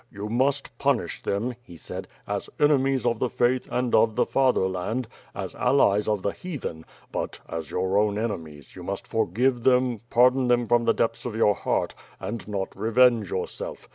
"You must punish them,'' he said, "as enemies of the faith, and of the fatherland; as allies of the Heathen; but, as your own enemies, you must forgive them, pardon them from the depths of your heart, and not revenge yourself.